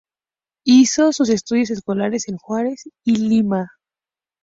Hizo sus estudios escolares en Huaraz y Lima.